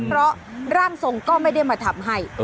เพราะร่างทรงก็ไม่ได้มาทำให้